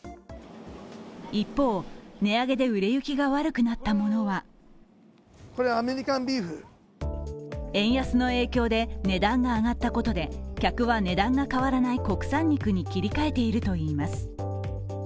一方、値上げで売れ行きが悪くなったものは円安の影響で値段が上がったことで客は値段が変わらない国産肉に切り替えているといいます。